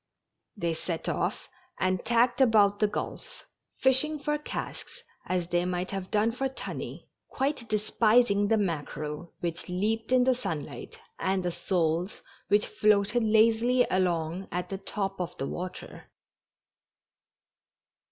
They MORE JOLLIFICATION. 227 set off and tacked about tlie gulf, fisliing for casks as they might have done for tunny, quite despising the mackerel, which leaped in the sunlight, and the soles, which floated lazily along at the top of the water.